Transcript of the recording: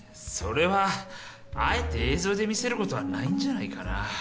それはあえて映像で見せることはないんじゃないかな？